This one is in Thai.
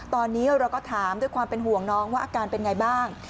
ตอนนี้เราก็ถามด้วยความเป็นห่วงน้องว่าอาการเป็นไงบ้าง